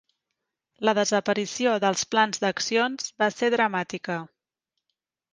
La desaparició dels plans d'accions va ser dramàtica.